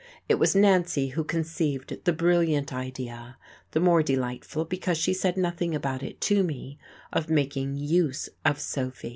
It was Nancy who conceived the brilliant idea the more delightful because she said nothing about it to me of making use of Sophy.